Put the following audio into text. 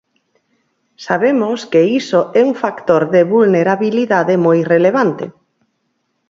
Sabemos que iso é un factor de vulnerabilidade moi relevante.